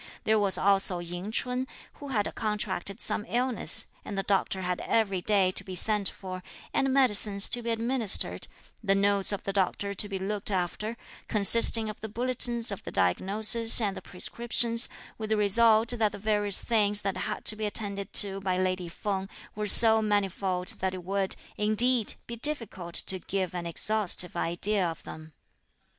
There was also Ying Ch'un, who had contracted some illness, and the doctor had every day to be sent for, and medicines to be administered, the notes of the doctor to be looked after, consisting of the bulletins of the diagnosis and the prescriptions, with the result that the various things that had to be attended to by lady Feng were so manifold that it would, indeed, be difficult to give an exhaustive idea of them.